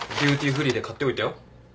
フリーで買っておいたよ。